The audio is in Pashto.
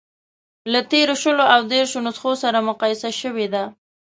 له تېرو شلو او دېرشو نسخو سره مقایسه شوې ده.